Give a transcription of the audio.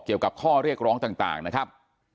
เกี่ยวกับข้อเรียกร้องต่างนะครับ